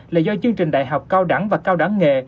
là do chương trình đại học cao đẳng và cao đẳng nghề